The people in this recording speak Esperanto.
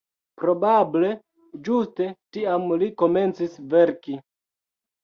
Probable ĝuste tiam li komencis verki.